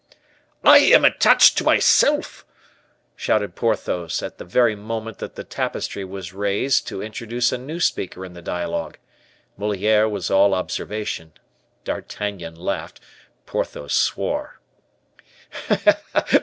"I am attached to myself," shouted Porthos, at the very moment that the tapestry was raised to introduce a new speaker in the dialogue. Moliere was all observation, D'Artagnan laughed, Porthos swore.